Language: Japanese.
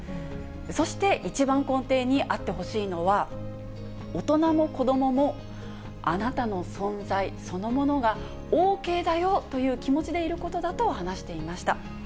そして一番根底にあってほしいのは、大人も子どもも、あなたの存在そのものがＯＫだよという気持ちでいることだと話していました。